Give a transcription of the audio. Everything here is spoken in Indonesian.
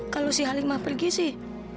kalau si halimah pergi sih